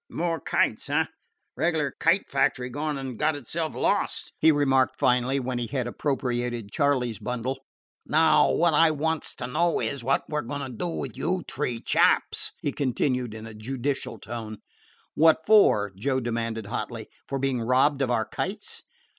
"More kites, eh? Reg'lar kite factory gone and got itself lost," he remarked finally, when he had appropriated Charley's bundle. "Now, wot I wants to know is wot we 're goin' to do to you t'ree chaps?" he continued in a judicial tone. "What for?" Joe demanded hotly. "For being robbed of our kites?"